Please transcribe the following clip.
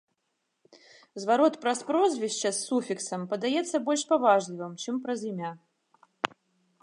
Зварот праз прозвішча з суфіксам падаецца больш паважлівым, чым праз імя.